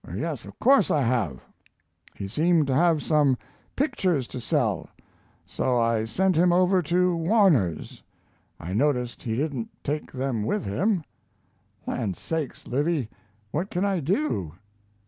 "Yes, of course I have. He seemed to have some pictures to sell, so I sent him over to Warner's. I noticed he didn't take them with him. Land sakes, Livy, what can I do?"